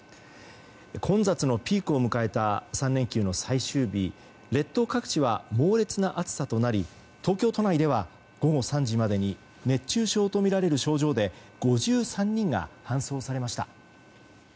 混雑のピークを迎えた３連休の最終日列島各地は猛烈な暑さとなり東京都内では午後３時までに熱中症とみられる症状で５３人が搬送されました。